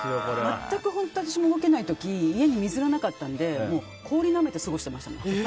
全く私も動けない時家に水がなかったので氷なめて過ごしてましたもん。